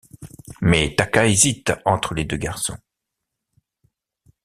Mais Taka hésite entre les deux garçons.